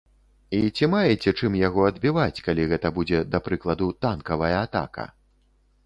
І ці маеце чым яго адбіваць, калі гэта будзе, да прыкладу, танкавая атака?